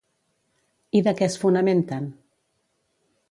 I de què es fonamenten?